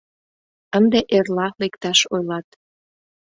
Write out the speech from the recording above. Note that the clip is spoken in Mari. Ынде эрла лекташ ойлат.